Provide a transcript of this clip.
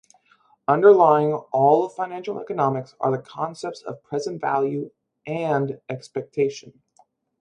Underlying all of financial economics are the concepts of present value and expectation.